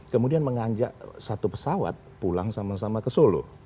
kemudian mengajak satu pesawat pulang sama sama ke solo